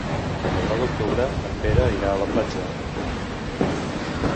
El nou d'octubre en Pere irà a la platja.